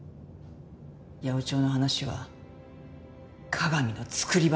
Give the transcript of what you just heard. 八百長の話は加賀見の作り話。